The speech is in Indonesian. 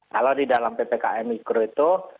kalau di dalam ppkm mikro itu